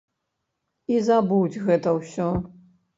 І забудзь гэта ўсё.